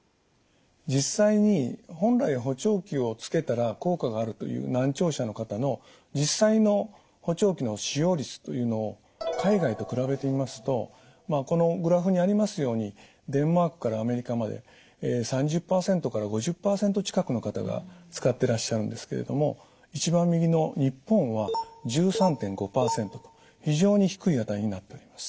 実際に本来補聴器をつけたら効果があるという難聴者の方の実際の補聴器の使用率というのを海外と比べてみますとこのグラフにありますようにデンマークからアメリカまで３０％から５０％近くの方が使ってらっしゃるんですけれども一番右の日本は１３．５％と非常に低い値になっております。